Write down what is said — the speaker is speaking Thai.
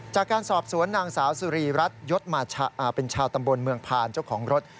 จากการสอบสวนนางสาวสุรีรัฐยศมาเป็นชาวตำบลเมืองพานเจ้าของรถ